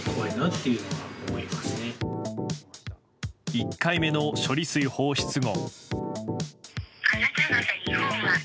１回目の処理水放出後。